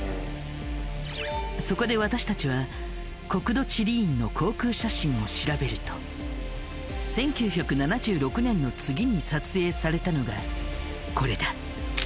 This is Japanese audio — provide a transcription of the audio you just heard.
そこで私たちは国土地理院の航空写真を調べると１９７６年の次に撮影されたのがこれだ。